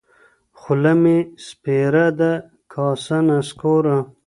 خوله مي سپېره ده کاسه نسکوره